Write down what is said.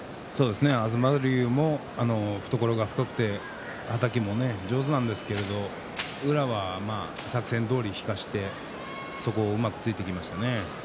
東龍も懐が深くてはたきも上手なんですけれど宇良は作戦どおり引かせてそこをうまく突いていきましたね。